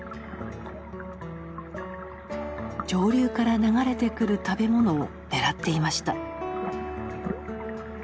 上流から流れてくる食べ物を狙っていました。